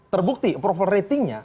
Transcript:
terbukti approval ratingnya